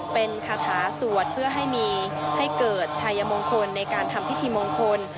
เป็นคาถาสวดเพื่อให้มีให้เกิดชายมงคลในการทำพิธีมงคล